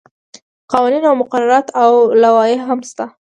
قوانین او مقررات او لوایح هم شته.